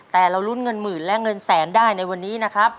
แต่เราลุ้นเงินหมื่นและเงินแสนได้ในวันนี้นะครับ